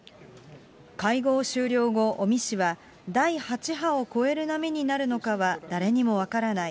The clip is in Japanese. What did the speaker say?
会合終了後、尾身氏は、第８波を超える波になるのかは誰にも分からない。